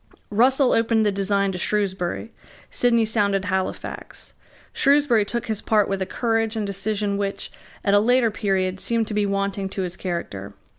Russell opened the design to Shrewsbury. Sidney sounded Halifax. Shrewsbury took his part with a courage and decision which, at a later period, seemed to be wanting to his character.